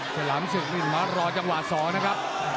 ฉลามศึกนี่มารอจังหวะสอนะครับ